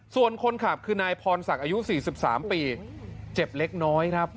ส่วนคนขับคือนายพรศักดิ์อายุ๔๓ปีเจ็บเล็กน้อยครับ